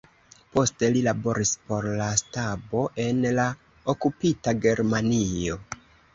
Poste li laboris por la stabo en la okupita Germanio.